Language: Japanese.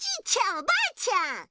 おばあちゃん！